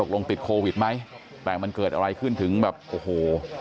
ลงติดโควิดไหมแต่มันเกิดอะไรขึ้นถึงแบบโอ้โห